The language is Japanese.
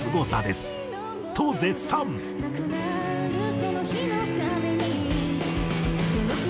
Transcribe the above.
「その日のために」